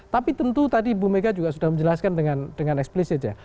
tapi tentu tadi bu mega juga sudah menjelaskan dengan eksplisit ya